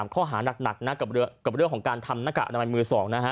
ข้อหานักกับเรื่องของการทำหน้ากากอนามัยมือ๒